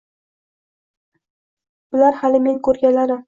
Bular hali men ko`rganlarim